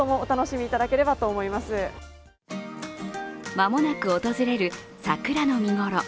間もなく訪れる桜の見頃。